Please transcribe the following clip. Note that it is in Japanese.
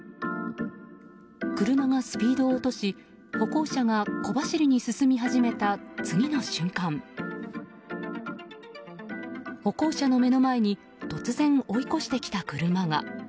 車がスピードを落とし歩行者が小走りに進み始めた次の瞬間、歩行者の目の前に突然、追い越してきた車が。